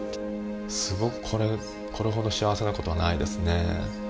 すごくこれほど幸せな事はないですね。